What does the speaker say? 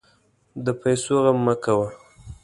د پیسو غم مه کوه.